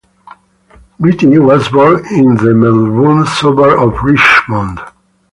Beattie was born in the Melbourne suburb of Richmond.